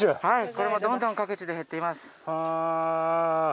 これもどんどん各地で減っています。